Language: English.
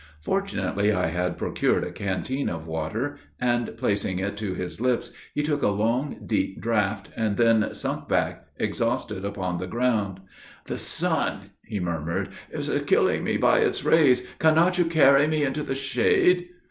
Fortunately, I had procured a canteen of water, and placing it to his lips, he took a long, deep draught, and then sunk back exhausted upon the ground. "The sun," he murmured, "is killing me by its rays; can not you carry me into the shade?"